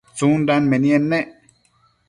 tsundan menied ne?